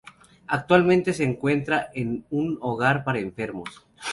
Actualmente, se encuentra en un hogar para enfermos.